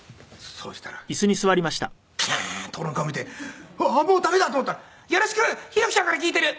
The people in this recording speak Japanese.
そしたらキーッと俺の顔見てああもう駄目だと思ったら「よろしく！弘樹ちゃんから聞いている」。